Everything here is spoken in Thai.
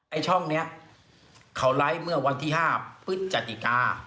ช่องนี้เขาไลฟ์เมื่อวันที่๕พฤศจิกา